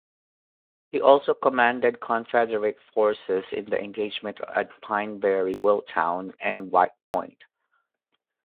He also commanded confederate forces in the Engagements at Pineberry, Willtown, and White Point.